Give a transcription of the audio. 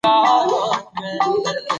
ما ولې له ښکاره توبه وکړه